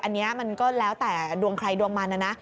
อันนี้มันก็แล้วแต่ดวงใครดวงมันนะนะ